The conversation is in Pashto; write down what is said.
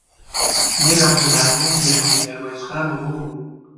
میر عبدالعزیز د حاجي میرویس خان ورور و.